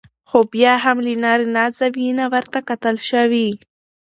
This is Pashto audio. خو بيا هم له نارينه زاويې نه ورته کتل شوي